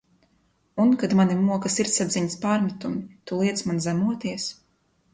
Un, kad mani moka sirdsapziņas pārmetumi, tu Iiec man zemoties?